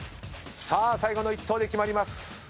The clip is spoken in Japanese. さあ最後の１投で決まります。